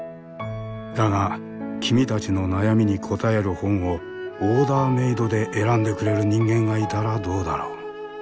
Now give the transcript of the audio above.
だが君たちの悩みに答える本をオーダーメードで選んでくれる人間がいたらどうだろう？